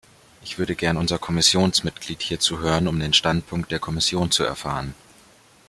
Ich würde gerne unser Kommissionsmitglied hierzu hören, um den Standpunkt der Kommission zu erfahren.